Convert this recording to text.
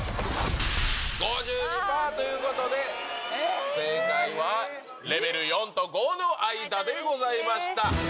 ５２パーということで、正解はレベル４と５の間でございました。